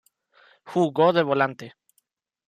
Jugó de volante.